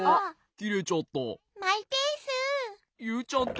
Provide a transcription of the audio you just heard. きれちゃった。